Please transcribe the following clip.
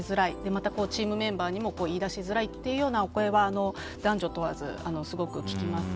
また、チームメンバーにも言い出しづらいという声は男女問わず、すごく聞きます。